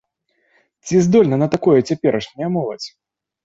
Ці здольная на такое цяперашняя моладзь?